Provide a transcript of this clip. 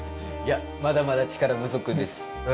いやまだまだ力不足です。